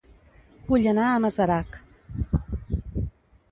Vull anar a Masarac